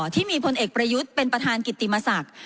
ที่มีพลเอกประยุทธ์เป็นประธานกิติมศักดิ์